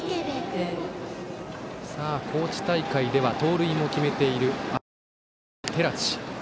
高知大会では盗塁も決めている足も速い寺地。